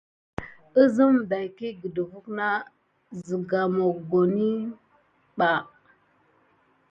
Sine tat kuduweni kurum amayusa nefet bas vini sina adayuka.